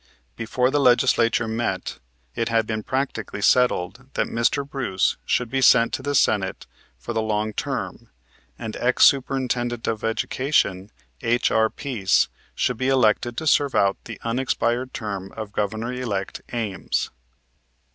Before the legislature met, it had been practically settled that Mr. Bruce should be sent to the Senate for the long term and Ex Superintendant of Education, H.R. Pease, should be elected to serve out the unexpired term of Governor elect Ames.